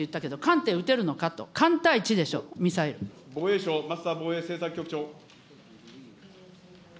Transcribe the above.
艦艇と言ったけど、艦艇撃てるのかと、防衛省、増田防衛政策局長。